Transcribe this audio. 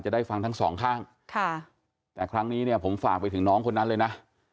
ได้ฟังทั้งสองข้างค่ะแต่ครั้งนี้เนี่ยผมฝากไปถึงน้องคนนั้นเลยนะ